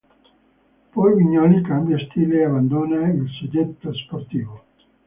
Poi Vignoli cambia stile e abbandona il soggetto sportivo.